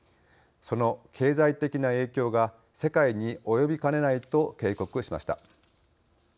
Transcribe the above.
その経済的な影響が世界に及びかねないと警告しました。